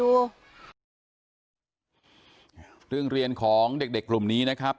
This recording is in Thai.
เรื่องเรียนของเด็กกลุ่มนี้นะครับ